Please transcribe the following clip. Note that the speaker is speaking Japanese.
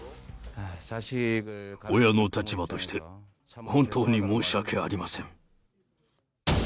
親の立場として、本当に申し訳ありません。